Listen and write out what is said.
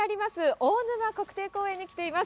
大沼国定公園に来ています。